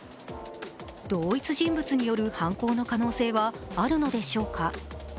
同一人物による犯行の可能性はあるのでしょうか。